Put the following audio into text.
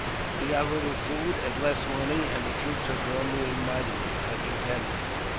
We've got little food and less money, and the troops are grumbling mightily, I can tell you."